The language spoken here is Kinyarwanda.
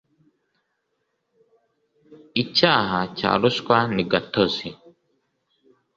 icyaha cya ruswa nigatozi.